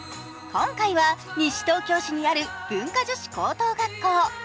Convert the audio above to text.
今回は、西東京市にある文華女子高等学校。